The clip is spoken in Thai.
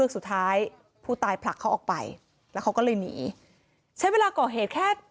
สุดท้ายผู้ตายผลักเขาออกไปแล้วเขาก็เลยหนีใช้เวลาก่อเหตุแค่